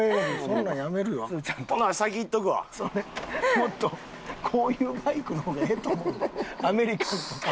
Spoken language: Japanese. もっとこういうバイクの方がええと思うでアメリカンとか。